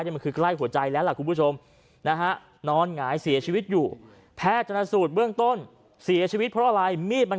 เด็กข้าไปหลักแล้วก็ชิตอยู่ข้างดับลอบน้อย